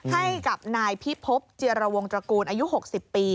ให้กับนายพิพบเจียรวงตระกูลอายุ๖๐ปี